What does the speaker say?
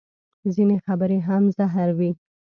ځینې خبرې هم زهر وي